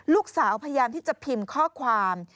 พยายามที่จะพิมพ์ข้อความ